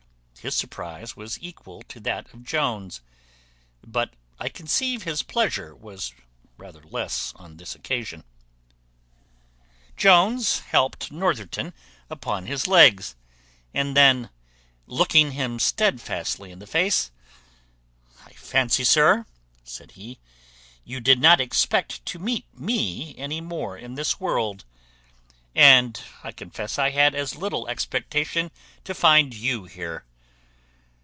His surprize was equal to that of Jones; but I conceive his pleasure was rather less on this occasion. Jones helped Northerton upon his legs, and then looking him stedfastly in the face, "I fancy, sir," said he, "you did not expect to meet me any more in this world, and I confess I had as little expectation to find you here.